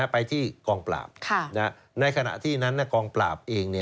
ไปที่กองปราบในขณะที่นั้นกองปราบเอง